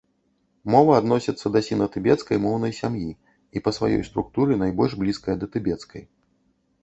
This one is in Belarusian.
Мова адносіцца да сіна-тыбецкай моўнай сям'і і па сваёй структуры найбольш блізкая да тыбецкай.